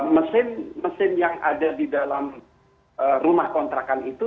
mesin mesin yang ada di dalam rumah kontrakan itu